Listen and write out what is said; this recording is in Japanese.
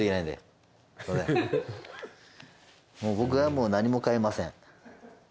僕はもう何も買えません。